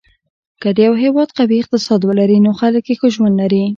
که یو هېواد قوي اقتصاد ولري، نو خلک یې ښه ژوند لري.